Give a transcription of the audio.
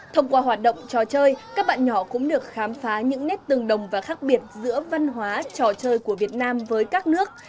thông qua hoạt động trò chơi các bạn nhỏ cũng được khám phá những nét tương đồng và khác biệt giữa văn hóa trò chơi của việt nam với các nước